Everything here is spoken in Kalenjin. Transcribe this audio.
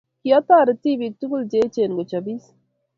Kiotoret tibik tugul che eechen kochopis